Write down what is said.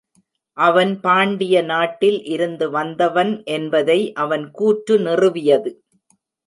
அவன் பாண்டிய நாட்டில் இருந்து வந்தவன் என்பதை அவன் கூற்று நிறுவியது.